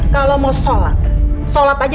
kalau mau sholat sholat aja